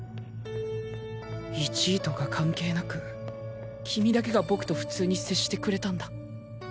１位とか関係なくキミだけがボクと普通に接してくれたんだ。